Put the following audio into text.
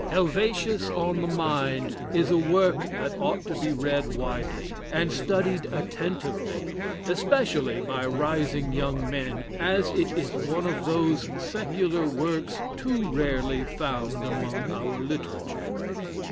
"Helvetius on the Mind" is a work that ought to be read widely, and studied attentively, especially by "rising young men," as it is one of those Secular works too rarely found among our literature.